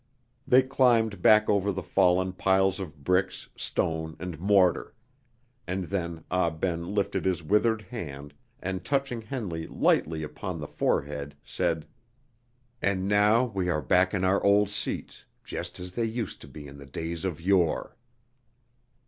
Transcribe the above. They climbed back over the fallen piles of bricks, stone, and mortar; and then Ah Ben lifted his withered hand, and touching Henley lightly upon the forehead, said: "And now we are back in our old seats, just as they used to be in the days of yore!"